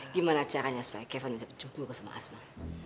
gimana caranya supaya kevin bisa berjumpa sama asma